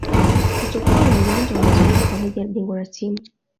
kutokuwa na uwanja wa mazoezi pamoja na jengo la timu